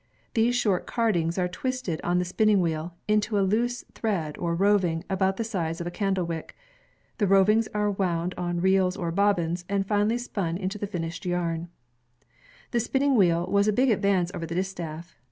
These short cardings are twisted on the spinning wheel, into a loose thread, or roving, about the size of a candlewick. The rovings are wound on reels or bobbins, and finally spun into the finished yam. The spinning wheel was a big advance over the distaff.